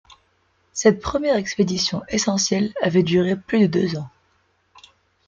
Cette première expédition essentielle avait duré plus de deux ans.